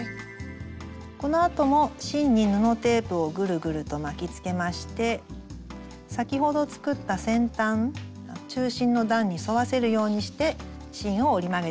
このあとも芯に布テープをぐるぐると巻きつけまして先ほど作った先端中心の段に添わせるようにして芯を折り曲げていきます。